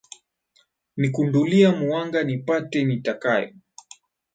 Nikundulia muwanga, nipate niyatakayo